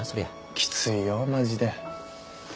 きついよマジで。